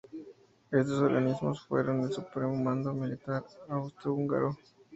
Estos organismos fueron el supremo mando militar austro-húngaro.